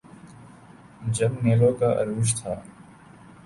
جب نیلو کا عروج تھا۔